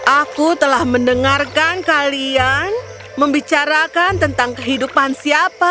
aku telah mendengarkan kalian membicarakan tentang kehidupan siapa